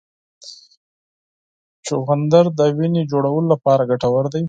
چغندر د وینې جوړولو لپاره ګټور دی.